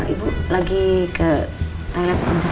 ibu lagi ke toilet sebentar